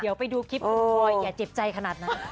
เดี๋ยวไปดูคลิปคุณพลอยอย่าเจ็บใจขนาดนั้น